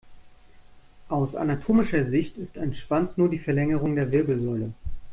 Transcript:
Aus anatomischer Sicht ist ein Schwanz nur die Verlängerung der Wirbelsäule.